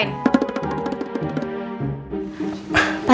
tahan dikit kak